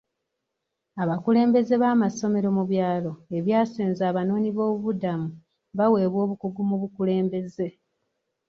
Abakulembeze b'amasomero mu byalo ebyasenza abanoonyi b'obubuddamu baweebwa obukugu mu bukulembeze.